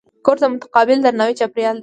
کورس د متقابل درناوي چاپېریال دی.